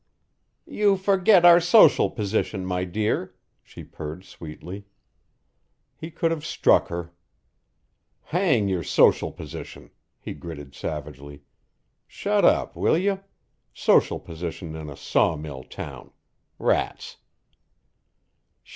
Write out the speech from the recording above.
"You forget our social position, my dear," she purred sweetly. He could have struck her. "Hang your social position," he gritted savagely. "Shut up, will you? Social position in a sawmill town! Rats!"